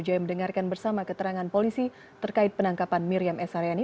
jaya mendengarkan bersama keterangan polisi terkait penangkapan miriam s haryani